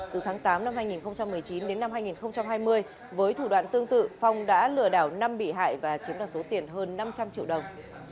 từ tháng tám năm hai nghìn một mươi chín đến năm hai nghìn hai mươi với thủ đoạn tương tự phong đã lừa đảo năm bị hại và chiếm đoạt số tiền hơn năm trăm linh triệu đồng